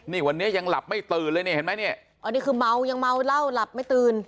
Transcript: นี่วันนี้ยังหลับไม่ตื่นเลยนี่เห็นไหมเนี่ยอ๋อนี่คือเมายังเมาเหล้าหลับไม่ตื่น